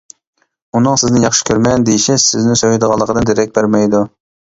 ئۇنىڭ سىزنى ياخشى كۆرىمەن دېيىشى سىزنى سۆيىدىغانلىقىدىن دېرەك بەرمەيدۇ.